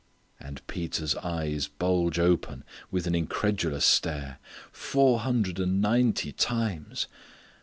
_" And Peter's eyes bulge open with an incredulous stare "four hundred and ninety times!...